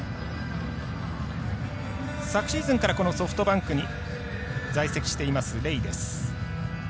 昨シーズンからソフトバンクに在籍しています、レイです。